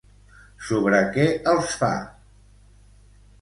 Sobre què els fa?